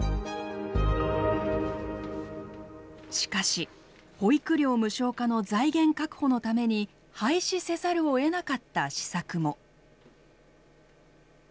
しかし保育料無償化の財源確保のために廃止せざるをえなかった施策も。